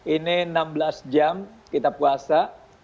ini enam belas jam kita puasa